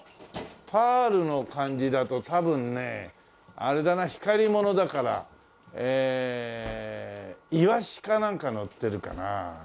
パールの感じだとたぶんねあれだな光りものだからえイワシかなんかのってるかな？